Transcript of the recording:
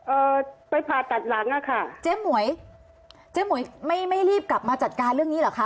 เอ่อไปผ่าตัดหลังอ่ะค่ะเจ๊หมวยเจ๊หมวยไม่ไม่รีบกลับมาจัดการเรื่องนี้เหรอคะ